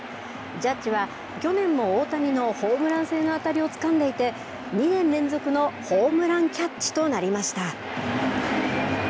ジャッジは去年も大谷のホームラン性の当たりをつかんでいて２年連続のホームランキャッチとなりました。